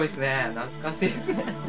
懐かしいですね。